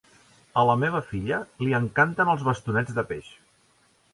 A la meva filla li encanten els bastonets de peix